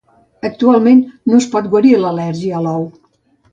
Actualment no es pot guarir l'al·lèrgia a l'ou.